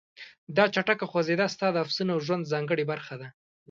دا چټکه خوځېدا ستا د افسون او ژوند ځانګړې برخه ده.